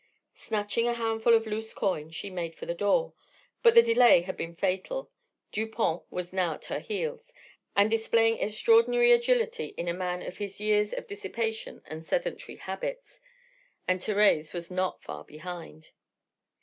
Snatching a handful of loose coin, she made for the door. But the delay had been fatal. Dupont was now at her heels, and displaying extraordinary agility in a man of his years of dissipation and sedentary habits. And Thérèse was not far behind.